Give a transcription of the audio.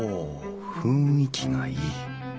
雰囲気がいい。